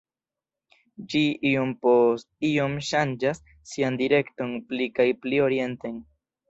Ĝi iom post iom ŝanĝas sian direkton pli kaj pli orienten.